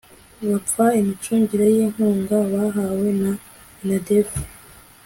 bapfa imicungire y inkunga bahawe na minadef